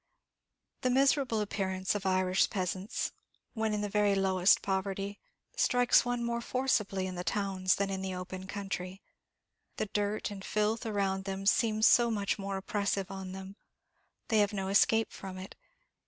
The miserable appearance of Irish peasants, when in the very lowest poverty, strikes one more forcibly in the towns than in the open country. The dirt and filth around them seems so much more oppressive on them; they have no escape from it.